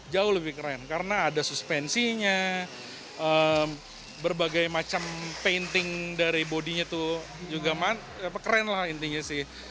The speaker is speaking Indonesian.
jauh lebih keren karena ada suspensinya berbagai macam painting dari bodinya tuh juga keren lah intinya sih